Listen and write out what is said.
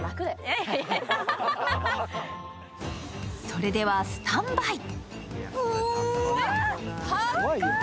それでは、スタンバイ。